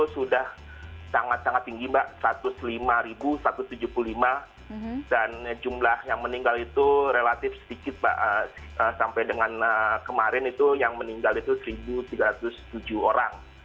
sudah sangat sangat tinggi mbak satu ratus lima satu ratus tujuh puluh lima dan jumlah yang meninggal itu relatif sedikit sampai dengan kemarin itu yang meninggal itu satu tiga ratus tujuh orang